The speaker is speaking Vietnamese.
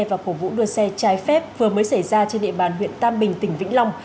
và cổ vũ đua xe trái phép vừa mới xảy ra trên địa bàn huyện tam bình tỉnh vĩnh long